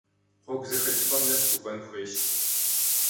Гъуэгу зэхэкӏыпӏэм нэс укӏуэн хуейщ.